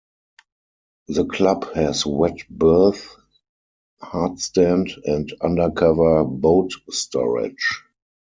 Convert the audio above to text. The club has wet berth, hardstand and undercover boat storage.